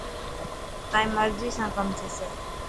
تيان مرضي سان ڪم ٿيسي.